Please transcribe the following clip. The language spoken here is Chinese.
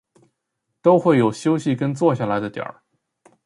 都会有休息跟坐下来的点